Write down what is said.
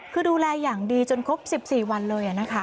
คือดูแลอย่างดีจนครบ๑๔วันเลยนะคะ